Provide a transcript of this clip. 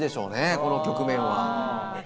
この局面は。